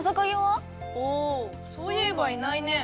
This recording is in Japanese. あそういえばいないね。